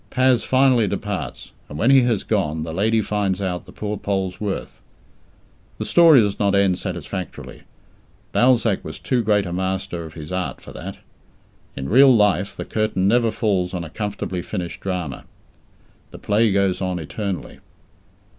Paz finally departs, and when he has gone, the lady finds out the poor Pole's worth. The story does not end satisfactorily. Balzac was too great a master of his art for that. In real life the curtain never falls on a comfortably finished drama. The play goes on eternally.